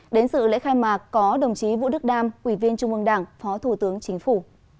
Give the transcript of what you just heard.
đến sự lễ khai mạc có đồng chí vũ đức đam ủy viên trung ương đảng phó thủ tướng chính phủ